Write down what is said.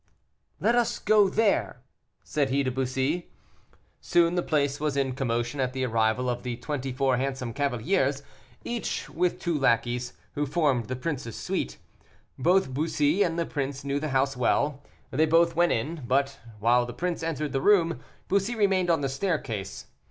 "Let us go there," said he to Bussy. Soon the place was in commotion at the arrival of the twenty four handsome cavaliers, each with two lackeys, who formed the prince's suite. Both Bussy and the prince knew the house well; they both went in, but while the prince entered the room, Bussy remained on the staircase.